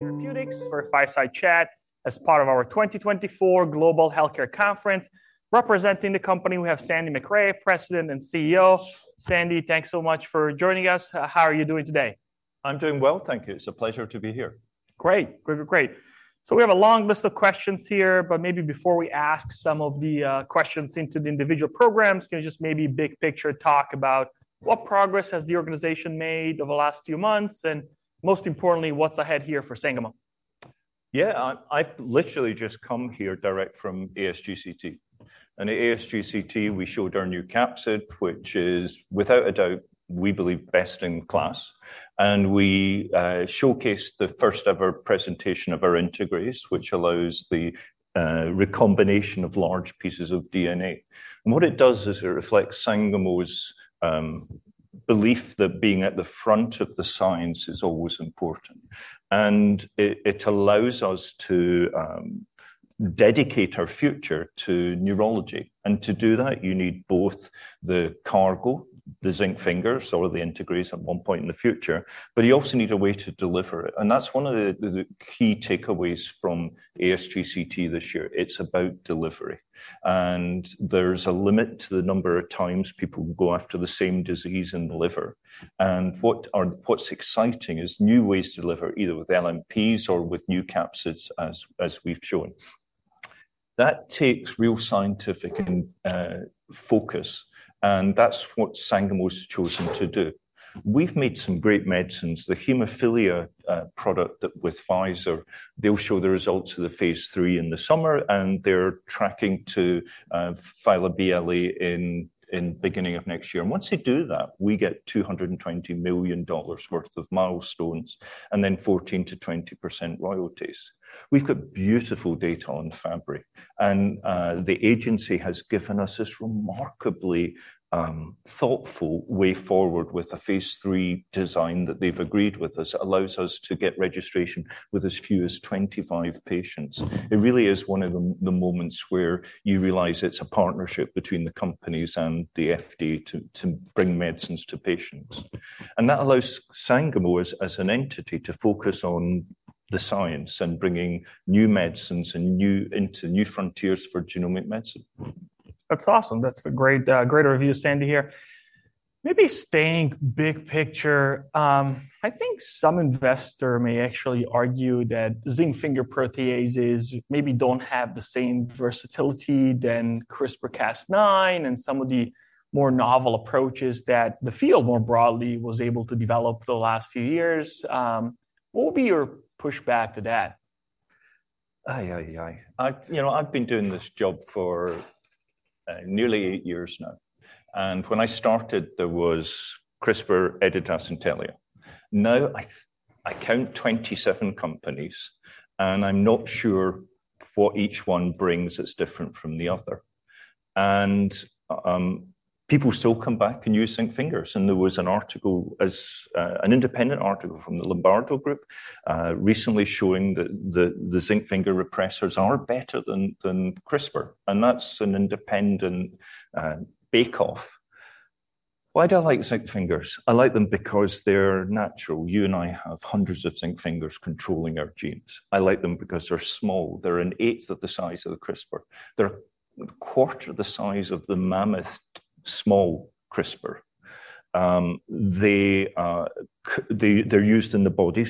Therapeutics for a fireside chat as part of our 2024 Global Healthcare Conference. Representing the company, we have Sandy Macrae, President and CEO. Sandy, thanks so much for joining us. How are you doing today? I'm doing well, thank you. It's a pleasure to be here. Great. Great, great, great. So we have a long list of questions here, but maybe before we ask some of the questions into the individual programs, can you just maybe big-picture talk about what progress has the organization made over the last few months, and most importantly, what's ahead here for Sangamo? Yeah, I've literally just come here directly from ASGCT. And at ASGCT, we showed our new capsid, which is, without a doubt, we believe, best in class. And we showcased the first-ever presentation of our integrase, which allows the recombination of large pieces of DNA. And what it does is it reflects Sangamo's belief that being at the front of the science is always important, and it, it allows us to dedicate our future to neurology. And to do that, you need both the cargo, the zinc fingers or the integrase at one point in the future, but you also need a way to deliver it, and that's one of the key takeaways from ASGCT this year. It's about delivery. And there's a limit to the number of times people will go after the same disease and deliver. And what are... What's exciting is new ways to deliver, either with LNPs or with new capsids, as we've shown. That takes real scientific and focus, and that's what Sangamo's chosen to do. We've made some great medicines. The hemophilia product that with Pfizer, they'll show the results of the phase III in the summer, and they're tracking to file a BLA in beginning of next year. Once they do that, we get $220 million worth of milestones and then 14%-20% royalties. We've got beautiful data on Fabry, and the agency has given us this remarkably thoughtful way forward with the phase III design that they've agreed with us. It allows us to get registration with as few as 25 patients. It really is one of the moments where you realize it's a partnership between the companies and the FDA to bring medicines to patients. And that allows Sangamo, as an entity, to focus on the science and bringing new medicines into new frontiers for genomic medicine. That's awesome. That's a great, great review, Sandy, here. Maybe staying big picture, I think some investor may actually argue that zinc finger proteases maybe don't have the same versatility than CRISPR-Cas9 and some of the more novel approaches that the field more broadly was able to develop the last few years. What would be your pushback to that? You know, I've been doing this job for nearly eight years now, and when I started, there was CRISPR, Editas, and Intellia. Now, I count 27 companies, and I'm not sure what each one brings that's different from the other. People still come back and use zinc fingers, and there was an article as an independent article from the Lombardo group recently showing that the zinc finger repressors are better than CRISPR, and that's an independent bake-off. Why do I like zinc fingers? I like them because they're natural. You and I have hundreds of zinc fingers controlling our genes. I like them because they're small. They're an eighth of the size of the CRISPR. They're a quarter the size of the Mammoth small CRISPR. They are used in the body.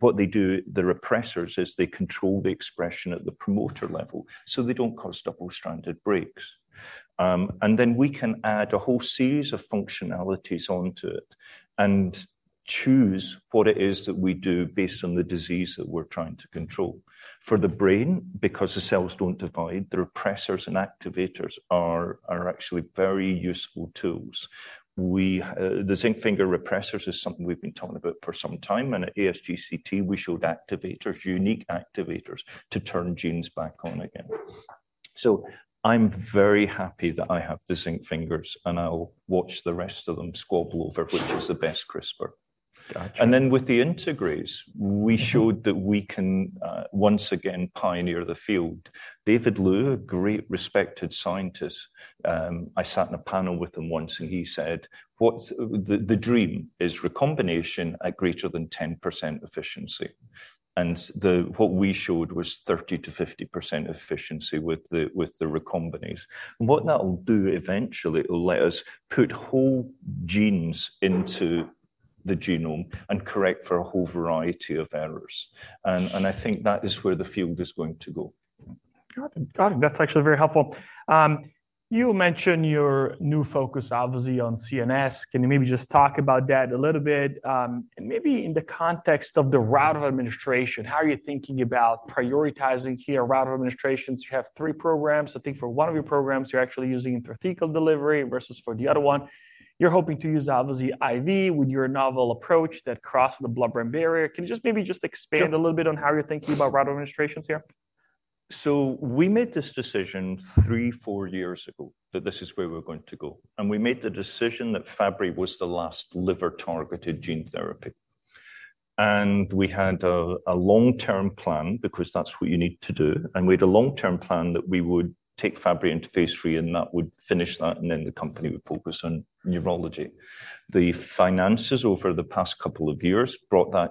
What they do, the repressors, is they control the expression at the promoter level, so they don't cause double-stranded breaks. And then we can add a whole series of functionalities onto it and choose what it is that we do based on the disease that we're trying to control. For the brain, because the cells don't divide, the repressors and activators are actually very useful tools. The zinc finger repressors is something we've been talking about for some time, and at ASGCT, we showed activators, unique activators, to turn genes back on again. So I'm very happy that I have the zinc fingers, and I'll watch the rest of them squabble over which is the best CRISPR. Gotcha. And then with the integrase, we showed that we can once again pioneer the field. David Liu, a great, respected scientist, I sat on a panel with him once, and he said, "What's the dream is recombination at greater than 10% efficiency." And what we showed was 30%-50% efficiency with the recombinase. And what that will do eventually, it will let us put whole genes into the genome and correct for a whole variety of errors, and I think that is where the field is going to go. Got it. Got it. That's actually very helpful. You mentioned your new focus, obviously, on CNS. Can you maybe just talk about that a little bit, and maybe in the context of the route of administration? How are you thinking about prioritizing key or route of administrations? You have three programs. I think for one of your programs, you're actually using intrathecal delivery versus for the other one, you're hoping to use, obviously, IV with your novel approach that crosses the blood-brain barrier. Can you just maybe just expand- Sure. A little bit on how you're thinking about routes of administration here? So we made this decision three-four years ago, that this is where we're going to go. And we made the decision that Fabry was the last liver-targeted gene therapy. And we had a long-term plan because that's what you need to do, and we had a long-term plan that we would take Fabry into phase III, and that would finish that, and then the company would focus on neurology. The finances over the past couple of years brought that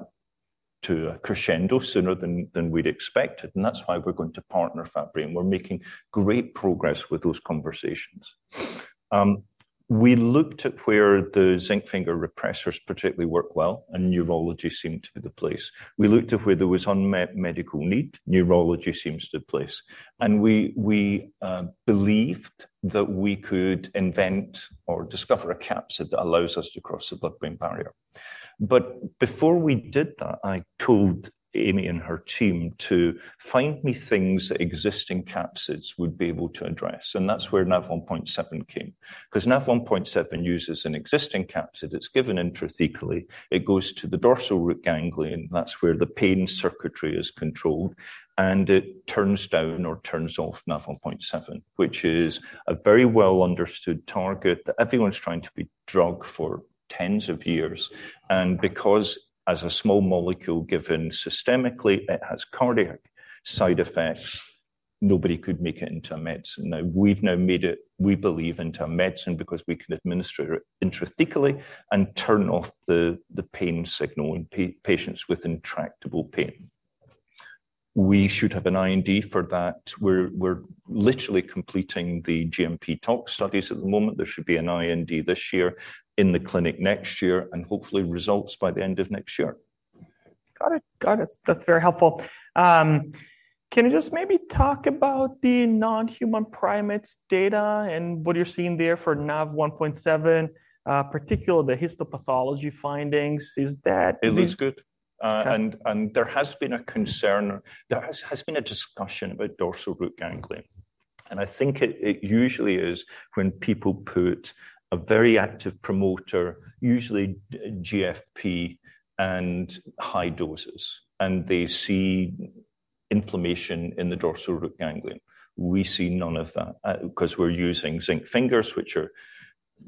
to a crescendo sooner than we'd expected, and that's why we're going to partner Fabry, and we're making great progress with those conversations. We looked at where the zinc finger repressors particularly work well, and neurology seemed to be the place. We looked at where there was unmet medical need. Neurology seems the place, and we believed that we could invent or discover a capsid that allows us to cross the blood-brain barrier. But before we did that, I told Amy and her team to find me things that existing capsids would be able to address, and that's where NaV1.7 came. 'Cause NaV1.7 uses an existing capsid. It's given intrathecally. It goes to the dorsal root ganglion. That's where the pain circuitry is controlled, and it turns down or turns off NaV1.7, which is a very well-understood target that everyone's trying to drug for tens of years. And because, as a small molecule given systemically, it has cardiac side effects, nobody could make it into a medicine. Now, we've now made it, we believe, into a medicine because we can administer it intrathecally and turn off the pain signal in patients with intractable pain. We should have an IND for that. We're literally completing the GMP tox studies at the moment. There should be an IND this year, in the clinic next year, and hopefully results by the end of next year. Got it. Got it. That's very helpful. Can you just maybe talk about the non-human primates data and what you're seeing there for NaV1.7, particularly the histopathology findings? Is that- It looks good. Okay. There has been a concern. There has been a discussion about dorsal root ganglion, and I think it usually is when people put a very active promoter, usually GFP and high doses, and they see inflammation in the dorsal root ganglion. We see none of that, 'cause we're using zinc fingers, which are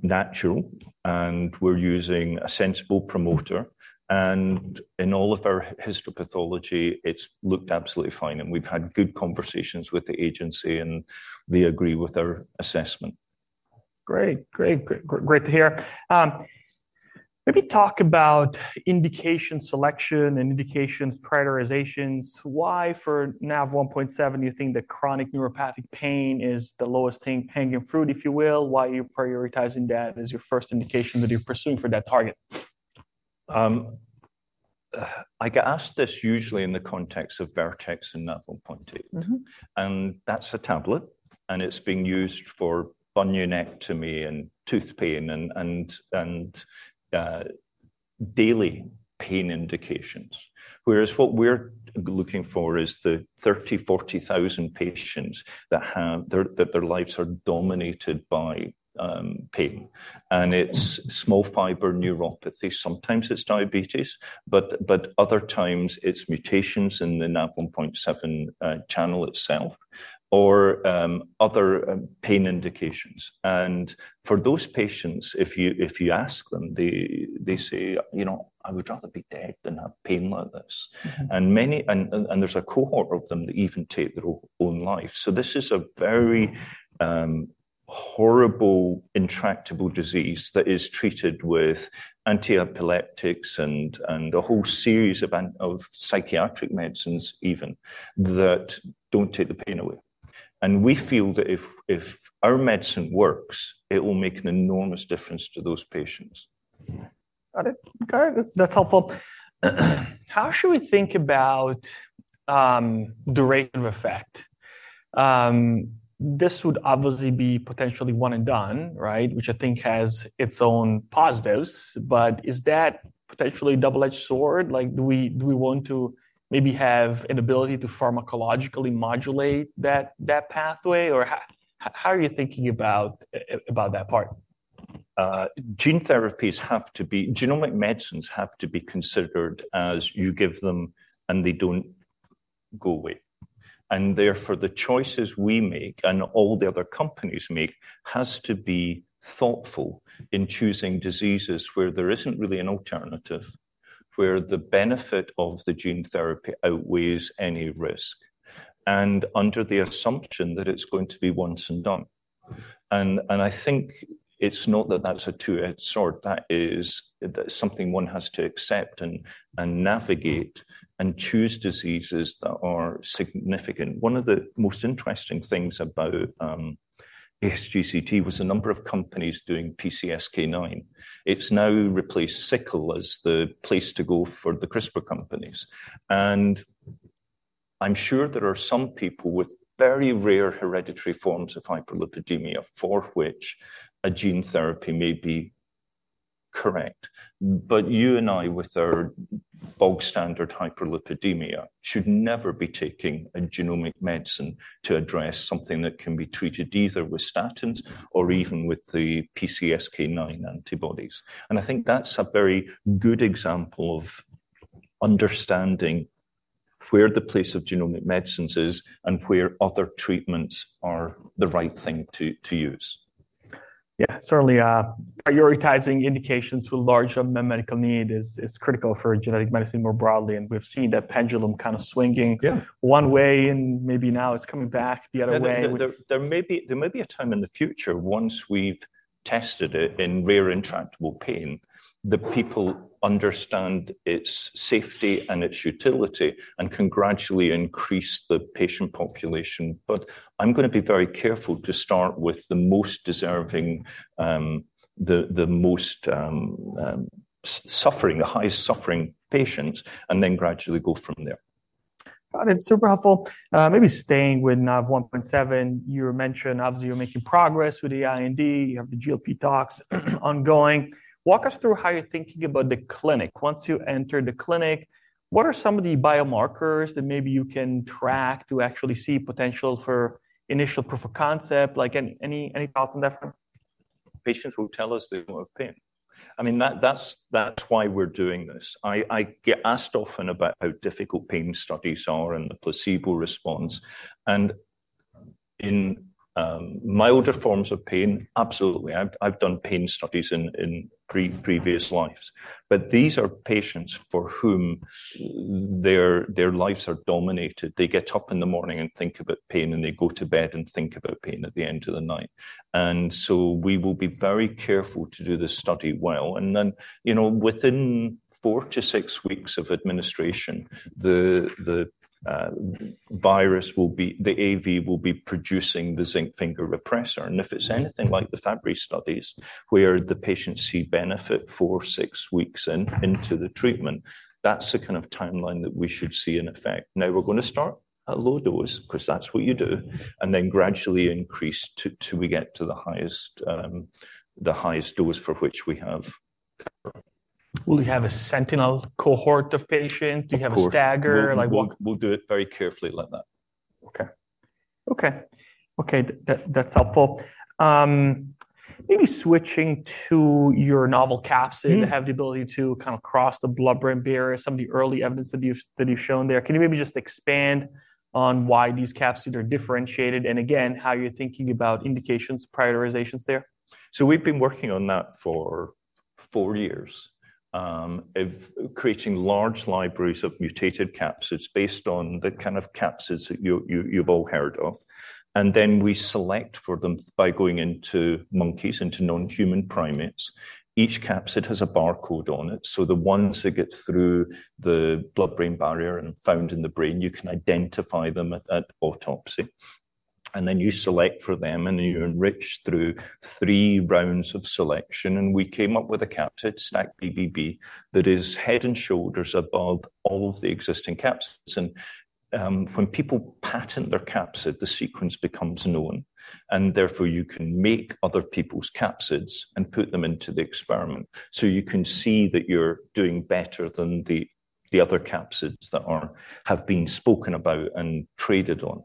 natural, and we're using a sensible promoter. And in all of our histopathology, it's looked absolutely fine, and we've had good conversations with the agency, and they agree with our assessment. Great. Great. Great to hear. Maybe talk about indication selection and indications prioritizations. Why, for NaV1.7, do you think that chronic neuropathic pain is the lowest hanging fruit, if you will? Why are you prioritizing that as your first indication that you're pursuing for that target? I get asked this usually in the context of Vertex and NaV1.8. Mm-hmm. And that's a tablet, and it's being used for bunionectomy and tooth pain and daily pain indications. Whereas what we're looking for is the 30-40 thousand patients that have their lives are dominated by pain. And it's- Mm... small fiber neuropathy. Sometimes it's diabetes, but other times, it's mutations in the NaV1.7 channel itself or other pain indications. And for those patients, if you ask them, they say, "You know, I would rather be dead than have pain like this. Mm-hmm. And many, there's a cohort of them that even take their own life. So this is a very horrible, intractable disease that is treated with antiepileptics and a whole series of psychiatric medicines even, that don't take the pain away. And we feel that if our medicine works, it will make an enormous difference to those patients. Got it. Got it. That's helpful. How should we think about the rate of effect? This would obviously be potentially one and done, right? Which I think has its own positives, but is that potentially a double-edged sword? Like, do we, do we want to maybe have an ability to pharmacologically modulate that, that pathway, or how are you thinking about that part? Gene therapies have to be genomic medicines have to be considered as you give them, and they don't go away. Therefore, the choices we make, and all the other companies make, has to be thoughtful in choosing diseases where there isn't really an alternative, where the benefit of the gene therapy outweighs any risk, and under the assumption that it's going to be once and done. And I think it's not that that's a two-edged sword. That is something one has to accept and navigate, and choose diseases that are significant. One of the most interesting things about ASGCT was the number of companies doing PCSK9. It's now replaced sickle cell as the place to go for the CRISPR companies. And I'm sure there are some people with very rare hereditary forms of hyperlipidemia for which a gene therapy may be correct. But you and I, with our bog standard hyperlipidemia, should never be taking a genomic medicine to address something that can be treated either with statins or even with the PCSK9 antibodies. I think that's a very good example of understanding where the place of genomic medicines is and where other treatments are the right thing to use. ... Yeah, certainly, prioritizing indications with large unmet medical need is critical for genetic medicine more broadly, and we've seen that pendulum kind of swinging- Yeah. one way, and maybe now it's coming back the other way. There may be a time in the future, once we've tested it in rare intractable pain, that people understand its safety and its utility and can gradually increase the patient population. But I'm gonna be very careful to start with the most deserving, the most suffering, the highest suffering patients, and then gradually go from there. Got it. Super helpful. Maybe staying with NaV1.7, you mentioned obviously you're making progress with the IND. You have the GLP tox ongoing. Walk us through how you're thinking about the clinic. Once you enter the clinic, what are some of the biomarkers that maybe you can track to actually see potential for initial proof of concept? Like, any, any, any thoughts on that front? Patients will tell us they have pain. I mean, that's why we're doing this. I get asked often about how difficult pain studies are and the placebo response, and in milder forms of pain, absolutely. I've done pain studies in previous lives. But these are patients for whom their lives are dominated. They get up in the morning and think about pain, and they go to bed and think about pain at the end of the night. So we will be very careful to do this study well, and then, you know, within four to six weeks of administration, the virus will be... The AAV will be producing the zinc finger repressor. If it's anything like the Fabry studies, where the patients see benefit four-six weeks into the treatment, that's the kind of timeline that we should see in effect. Now, we're gonna start at a low dose, 'cause that's what you do, and then gradually increase till we get to the highest dose for which we have cover. Will you have a sentinel cohort of patients? Of course. Do you have a stagger? Like what- We'll do it very carefully like that. Okay. Okay. Okay, that, that's helpful. Maybe switching to your novel capsid- Mm. that have the ability to kind of cross the blood-brain barrier, some of the early evidence that you've shown there. Can you maybe just expand on why these capsids are differentiated, and again, how you're thinking about indications, prioritizations there? So we've been working on that for four years of creating large libraries of mutated capsids based on the kind of capsids that you've all heard of, and then we select for them by going into monkeys, into non-human primates. Each capsid has a barcode on it, so the ones that get through the blood-brain barrier and found in the brain, you can identify them at autopsy. And then you select for them, and you enrich through three rounds of selection, and we came up with a capsid, STAC-BBB, that is head and shoulders above all of the existing capsids. And when people patent their capsid, the sequence becomes known, and therefore, you can make other people's capsids and put them into the experiment. So you can see that you're doing better than the other capsids that have been spoken about and traded on.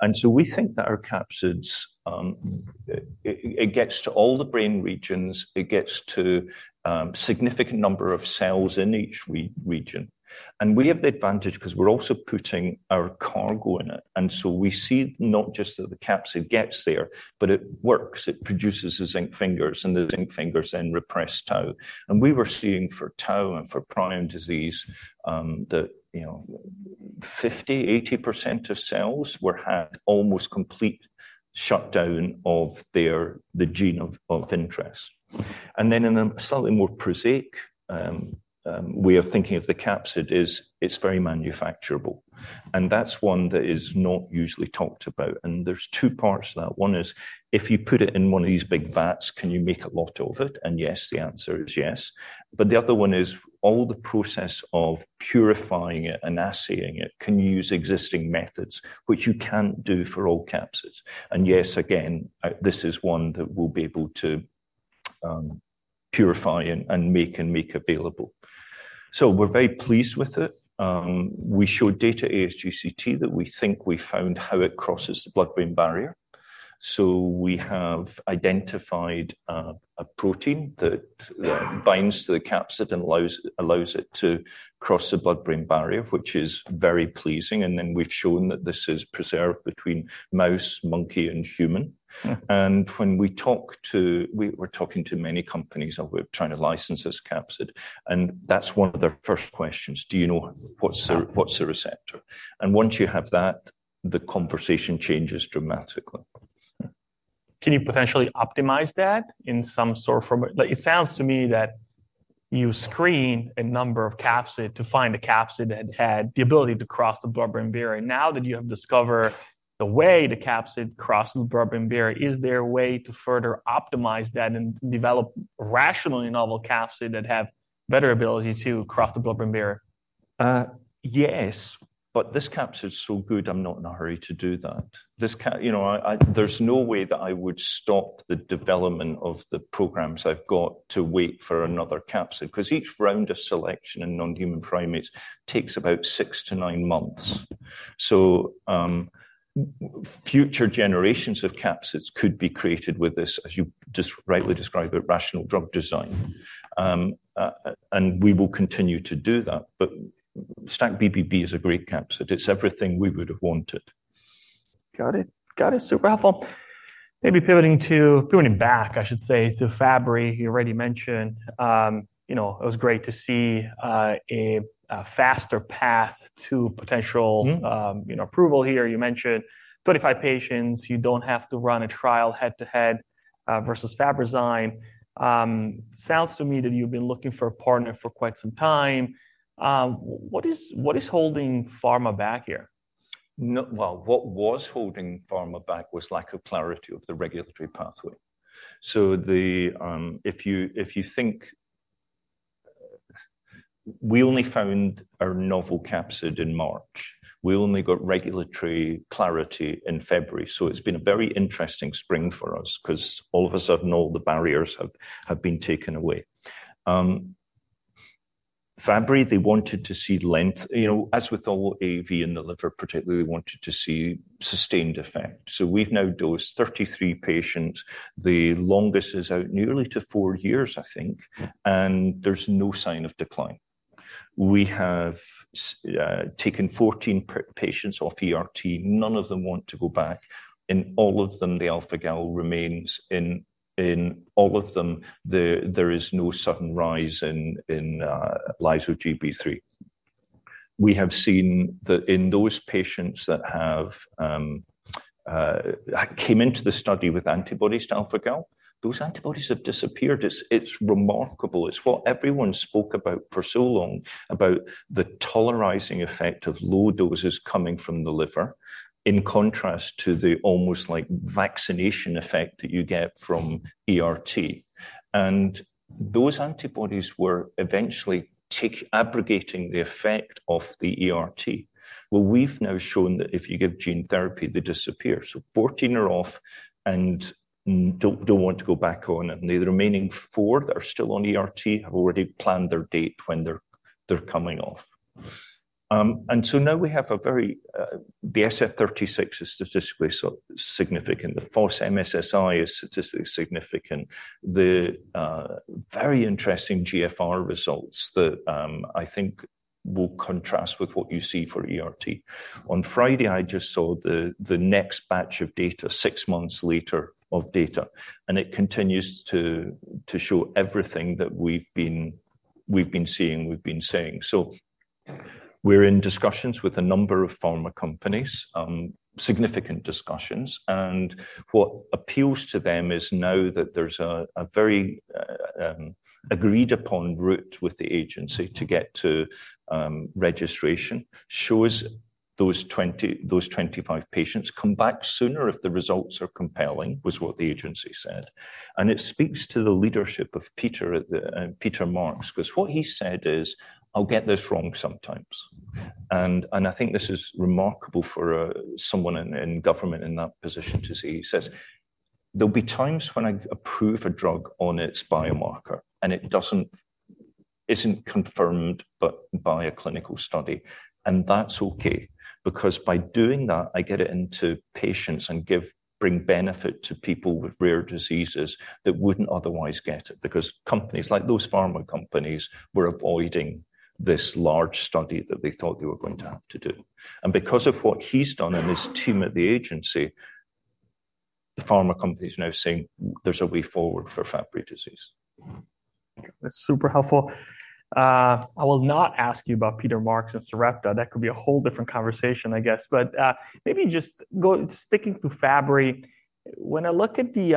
And so we think that our capsids, it gets to all the brain regions. It gets to a significant number of cells in each region. And we have the advantage 'cause we're also putting our cargo in it, and so we see not just that the capsid gets there, but it works. It produces the zinc fingers, and the zinc fingers then repress Tau. And we were seeing for Tau and for prion disease, you know, 50%-80% of cells had almost complete shutdown of their the gene of interest. And then in a slightly more prosaic way of thinking of the capsid is, it's very manufacturable, and that's one that is not usually talked about. And there's two parts to that. One is, if you put it in one of these big vats, can you make a lot of it? And yes, the answer is yes. But the other one is, all the process of purifying it and assaying it, can you use existing methods, which you can't do for all capsids? And yes, again, this is one that we'll be able to purify and make, and make available. So we're very pleased with it. We showed data ASGCT that we think we found how it crosses the blood-brain barrier. So we have identified a protein that binds to the capsid and allows it to cross the blood-brain barrier, which is very pleasing. And then we've shown that this is preserved between mouse, monkey, and human. Mm. We're talking to many companies, and we're trying to license this capsid, and that's one of their first questions: "Do you know what's the receptor?" Once you have that, the conversation changes dramatically. Can you potentially optimize that in some sort of form? It sounds to me that you screen a number of capsid to find a capsid that had the ability to cross the blood-brain barrier. Now that you have discovered the way the capsid crosses the blood-brain barrier, is there a way to further optimize that and develop rationally novel capsid that have better ability to cross the blood-brain barrier? Yes, but this capsid is so good, I'm not in a hurry to do that. You know, there's no way that I would stop the development of the programs I've got to wait for another capsid, 'cause each round of selection in non-human primates takes about six-nine months. So, future generations of capsids could be created with this, as you rightly described it, rational drug design, and we will continue to do that, but STAC-BBB is a great capsid. It's everything we would have wanted. Got it. Got it. Super helpful. Maybe pivoting to, pivoting back, I should say, to Fabry. You already mentioned, you know, it was great to see a faster path to potential- Mm-hmm. You know, approval here. You mentioned 25 patients. You don't have to run a trial head-to-head versus Fabrazyme. Sounds to me that you've been looking for a partner for quite some time. What is, what is holding pharma back here? Well, what was holding pharma back was lack of clarity of the regulatory pathway. So the, if you, if you think, we only found our novel capsid in March. We only got regulatory clarity in February. So it's been a very interesting spring for us, 'cause all of a sudden, all the barriers have been taken away. Fabry, they wanted to see length. You know, as with all AAV in the liver, particularly, we wanted to see sustained effect. So we've now dosed 33 patients. The longest is out nearly to four years, I think, and there's no sign of decline. We have taken 14 patients off ERT. None of them want to go back. In all of them, the alpha-Gal A remains. In all of them, there is no sudden rise in lyso-Gb3. We have seen that in those patients that have came into the study with antibodies to alpha-Gal A, those antibodies have disappeared. It's remarkable. It's what everyone spoke about for so long, about the tolerizing effect of low doses coming from the liver, in contrast to the almost like vaccination effect that you get from ERT. And those antibodies were eventually abrogating the effect of the ERT. Well, we've now shown that if you give gene therapy, they disappear. So 14 are off and don't want to go back on, and the remaining four that are still on ERT have already planned their date when they're coming off. And so now we have a very... The SF-36 is statistically significant. The FOS-MSSI is statistically significant. The very interesting GFR results that I think will contrast with what you see for ERT. On Friday, I just saw the next batch of data, six months later of data, and it continues to show everything that we've been seeing, we've been saying. So we're in discussions with a number of pharma companies, significant discussions, and what appeals to them is now that there's a very agreed upon route with the agency to get to registration. Shows those 20, those 25 patients come back sooner if the results are compelling, was what the agency said. And it speaks to the leadership of Peter Marks, because what he said is, "I'll get this wrong sometimes." I think this is remarkable for someone in government in that position to say. He says, "There'll be times when I approve a drug on its biomarker, and it doesn't, isn't confirmed, but by a clinical study, and that's okay, because by doing that, I get it into patients and give-- bring benefit to people with rare diseases that wouldn't otherwise get it," because companies like those pharma companies were avoiding this large study that they thought they were going to have to do. And because of what he's done and his team at the agency, the pharma company is now saying there's a way forward for Fabry disease. That's super helpful. I will not ask you about Peter Marks and Sarepta. That could be a whole different conversation, I guess. But, maybe just go, sticking to Fabry, when I look at the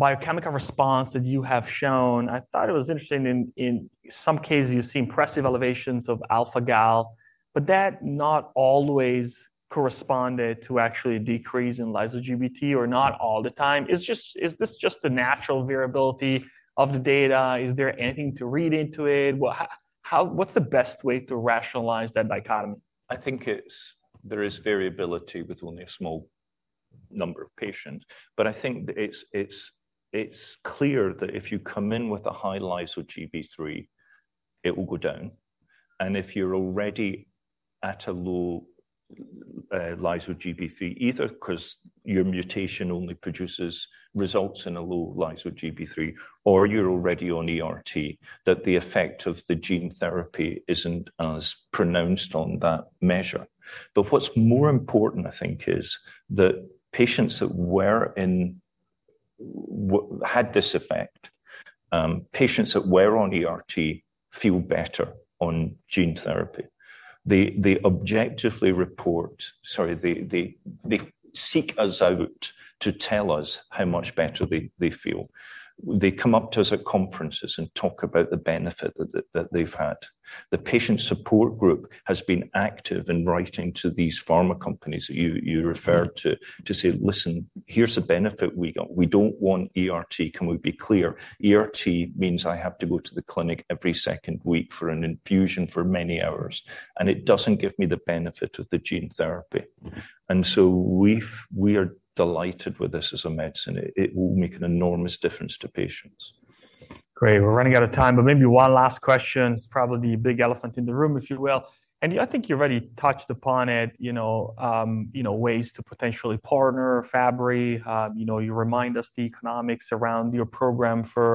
biochemical response that you have shown, I thought it was interesting in some cases, you see impressive elevations of alpha-Gal A, but that not always corresponded to actually a decrease in lyso-Gb3 or not all the time. Is this just a natural variability of the data? Is there anything to read into it? Well, how, what's the best way to rationalize that dichotomy? I think there is variability with only a small number of patients, but I think it's clear that if you come in with a high lyso-Gb3, it will go down. And if you're already at a low lyso-Gb3, either 'cause your mutation only produces results in a low lyso-Gb3, or you're already on ERT, that the effect of the gene therapy isn't as pronounced on that measure. But what's more important, I think, is that patients that had this effect, patients that were on ERT feel better on gene therapy. They seek us out to tell us how much better they feel. They come up to us at conferences and talk about the benefit that they've had. The patient support group has been active in writing to these pharma companies that you referred to, to say, "Listen, here's the benefit we got. We don't want ERT. Can we be clear? ERT means I have to go to the clinic every second week for an infusion for many hours, and it doesn't give me the benefit of the gene therapy." And so we are delighted with this as a medicine. It will make an enormous difference to patients. Great. We're running out of time, but maybe one last question. It's probably the big elephant in the room, if you will. I think you already touched upon it, you know, ways to potentially partner Fabry. You know, you remind us the economics around your program for,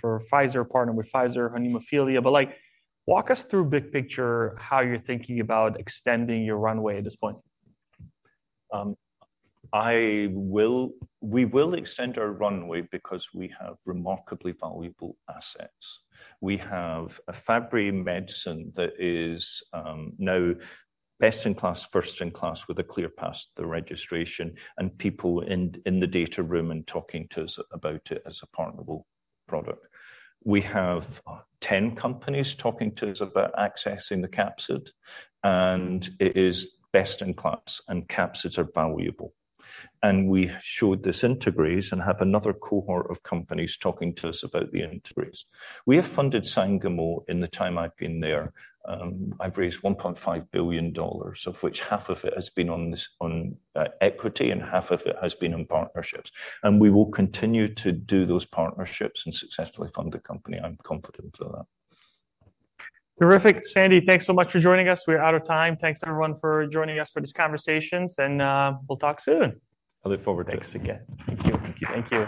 for Pfizer, partner with Pfizer on hemophilia. But, like, walk us through big picture, how you're thinking about extending your runway at this point. We will extend our runway because we have remarkably valuable assets. We have a Fabry medicine that is now best in class, first in class, with a clear path to registration, and people in the data room and talking to us about it as a partnerable product. We have 10 companies talking to us about accessing the capsid, and it is best in class, and capsids are valuable. And we showed this integrase and have another cohort of companies talking to us about the integrase. We have funded Sangamo in the time I've been there. I've raised $1.5 billion, of which half of it has been on this, on equity, and half of it has been on partnerships, and we will continue to do those partnerships and successfully fund the company. I'm confident of that. Terrific. Sandy, thanks so much for joining us. We're out of time. Thanks, everyone, for joining us for this conversation, and we'll talk soon. I look forward to it. Thanks again. Thank you. Thank you.